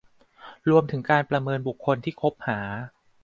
รวมถึงการประเมินบุคคลที่คบหา